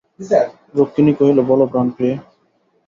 রুক্মিণী কহিল, বলো প্রাণপ্রিয়ে।